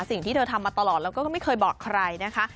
สิ่งที่เธอทำมาตลอดแล้วก็ไม่เคยบอกใครนะคะ